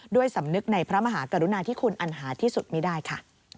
สำนึกในพระมหากรุณาที่คุณอันหาที่สุดไม่ได้ค่ะ